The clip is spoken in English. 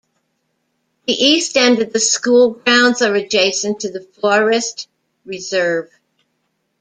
The east end of the school grounds are adjacent to the "Forest Reserve".